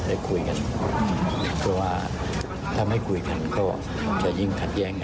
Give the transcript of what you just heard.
ได้คุยกันเพราะว่าถ้าไม่คุยกันก็จะยิ่งขัดแย้งกัน